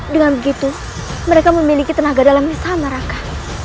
dengan begitu mereka memiliki tenaga dalam yang sama rangka